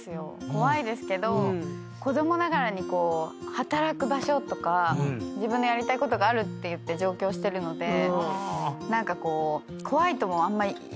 怖いですけど子供ながらに働く場所とか自分のやりたいことがあるっていって上京してるので何かこう。